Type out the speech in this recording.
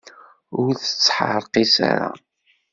Ur tettḥerqis ara.